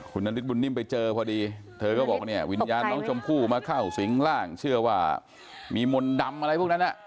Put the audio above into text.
คุณนฤทธบุญนิ่มไปเจอพอดีเธอก็บอกเนี่ยวิญญาณน้องชมพู่มาเข้าสิงร่างเชื่อว่ามีมนต์ดำอะไรพวกนั้น